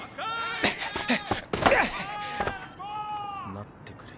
待ってくれ。